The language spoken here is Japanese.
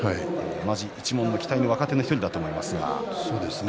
同じ一門の期待の１人だと思いますが。